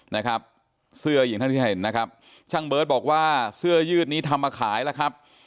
นะครับเสื้ออย่างท่านที่เห็นนะครับช่างเบิร์ตบอกว่าเสื้อยืดนี้ทำมาขายแล้วครับ